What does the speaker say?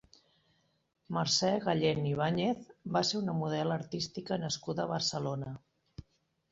Mercè Gallén Ibáñez va ser una model artística nascuda a Barcelona.